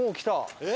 えっ？